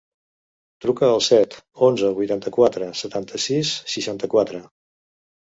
Truca al set, onze, vuitanta-quatre, setanta-sis, seixanta-quatre.